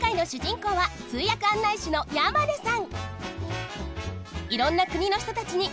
こうは通訳案内士の山根さん